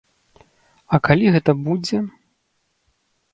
А калі гэта будзе?